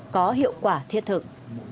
có hiệu quả thiết thực